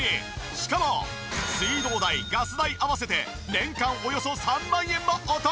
しかも水道代ガス代合わせて年間およそ３万円もお得に！